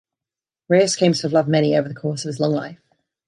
Marius claims to have loved many over the course of his long life.